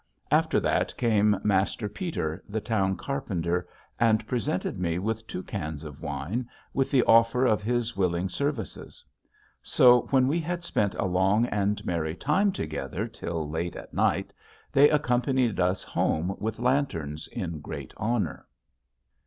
After that came Master Peeter, the town carpenter, and presented me with two cans of wine, with the offer of his willing services. So when we had spent a long and merry time together till late at night, they accompanied us home with lanterns in great honor."